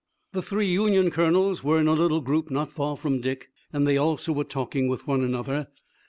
The three Union colonels were in a little group not far from Dick, and they also were talking with one another.